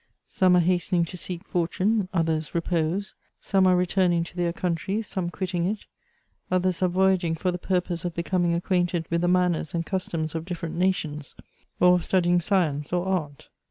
Some are hastening to seek fortune, others repose ; some are returning to their country, some quitting it ; others are voyaging for the pur pose of becoming acquainted with the manners and customs of different nations, or of studying science or art.